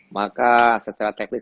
maka secara teknis